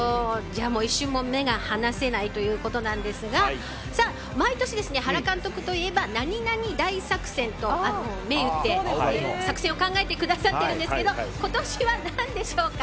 じゃあ一瞬も目が離せないということなんですが毎年、原監督といえば何々大作戦と銘打って作戦を考えてくださっているんですが今年は何でしょうか。